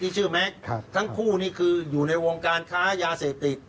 ชื่อแม็กซ์ทั้งคู่นี่คืออยู่ในวงการค้ายาเสพติด